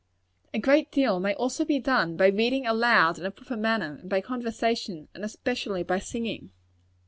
A great deal may also be done by reading aloud in a proper manner, and by conversation; and especially by singing.